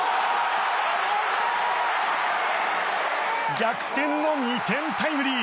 逆転の２点タイムリー！